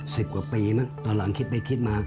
สิบกว่าปีมั้งตอนหลังคิดไปคิดมา